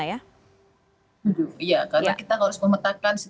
iya karena kita harus memetakan